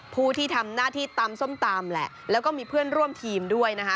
ผู้ที่ทำหน้าที่ตำส้มตำแหละแล้วก็มีเพื่อนร่วมทีมด้วยนะคะ